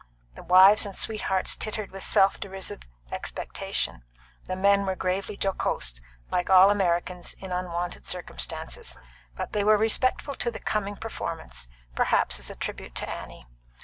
The wives and sweethearts tittered with self derisive expectation; the men were gravely jocose, like all Americans in unwonted circumstances, but they were respectful to the coming performance, perhaps as a tribute to Annie.